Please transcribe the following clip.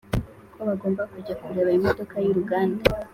ko bagomba kujya kureba imodoka yuruganda